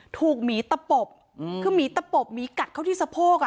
หมีตะปบคือหมีตะปบหมีกัดเข้าที่สะโพกอ่ะ